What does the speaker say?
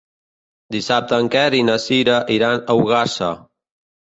Dissabte en Quer i na Sira iran a Ogassa.